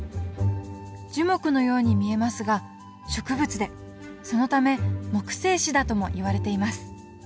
樹木のように見えますが植物でそのため木生シダともいわれています。